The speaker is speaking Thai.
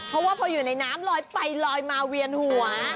เพราะว่าพออยู่ในน้ำลอยไปลอยมาเวียนหัว